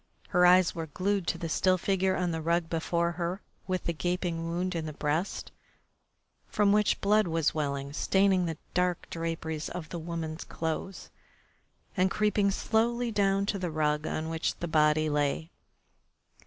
Her eyes were glued to the still figure on the rug before her with the gaping wound in the breast, from which the blood was welling, staining the dark draperies of the woman's clothes, and creeping slowly down to the rug on which the body lay.